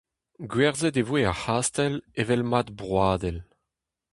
Gwerzhet e voe ar c'hastell evel mad broadel.